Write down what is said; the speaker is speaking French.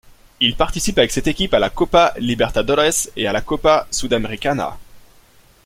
Il participe avec cette équipe à la Copa Libertadores et à la Copa Sudamericana.